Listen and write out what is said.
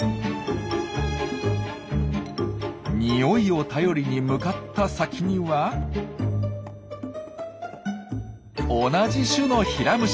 匂いを頼りに向かった先には同じ種のヒラムシ。